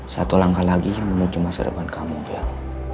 satu langkah lagi memuji masa depan kamu bel